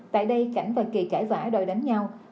tại đây cảnh và kỳ chải vãi đòi đánh nhau